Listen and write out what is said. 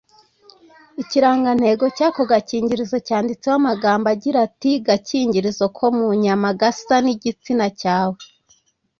Ikirangantego cy’ako gakingirizo cyanditseho amagambo agira ati” gakingirizo ko mu nyama gasa n’igitsina cyawe”